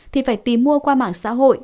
thì phải tìm mua qua mạng xã hội